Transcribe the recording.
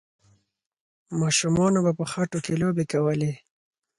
ماشومانو به په خټو کې لوبې کولې.